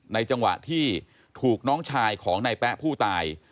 จังหวะที่ถูกน้องชายของนายแป๊ะผู้ตาย